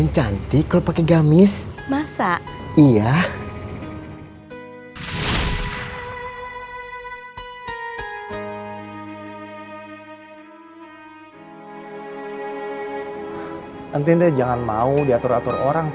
nanti kita bisa membeli hal tersebutilling